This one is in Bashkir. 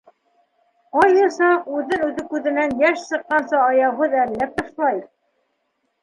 Ҡайһы саҡ үҙен-үҙе күҙенән йәш сыҡҡансы аяуһыҙ әрләп ташлай.